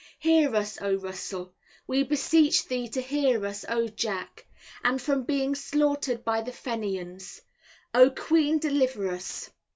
Hear us, O Russell. We beseech thee to hear us, O Jack. And from being slaughtered by the Fenians, O Queen deliver us.